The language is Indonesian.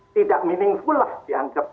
tidak meaningful lah dianggap